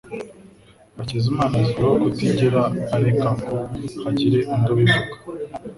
Hakizamana azwiho kutigera areka ngo hagire undi ubivuga